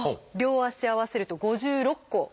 両足合わせると５６個。